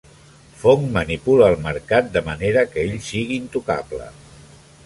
Fong manipula el mercat de manera que ell sigui intocable.